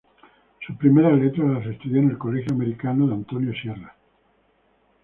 Sus primeras letras las estudió en el colegio Americano, de Antonio Sierra.